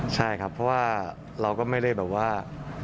ใช่ครับเพราะว่าเราก็ไม่ได้แบบว่า